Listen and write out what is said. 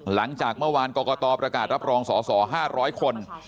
หลังจากเมื่อวานกรกตประกาศรับรองสอสอ๕๐๐คน